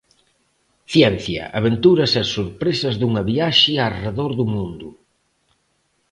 Ciencia, aventuras e sorpresas dunha viaxe arredor do mundo.